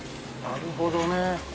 なるほどね。